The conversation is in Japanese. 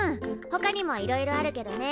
ほかにもいろいろあるけどね。